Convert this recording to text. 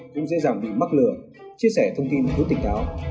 cũng dễ dàng bị mắc lừa chia sẻ thông tin hướng tình áo